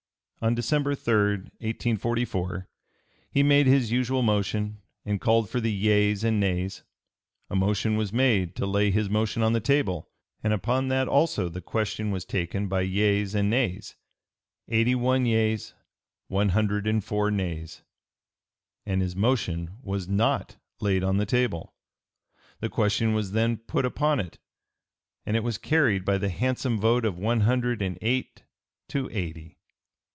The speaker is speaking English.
On December 3, 1844, he made his usual motion and called for the yeas and nays; a motion was made to lay his motion on the table, and upon that also the question was taken by yeas and nays eighty one yeas, one hundred and four nays, and his motion was not laid on the table. The question was then put upon it, and it was carried by the handsome vote of one hundred and eight to eighty.